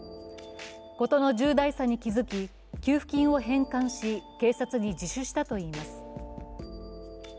事の重大さに気づき、給付金を返還し、警察に自首したといいます。